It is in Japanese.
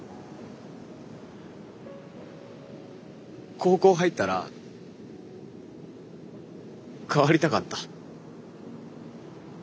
高校入ったら変わりたかった。